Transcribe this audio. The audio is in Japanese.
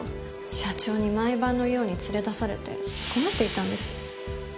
社長に毎晩のように連れ出されて困っていたんです。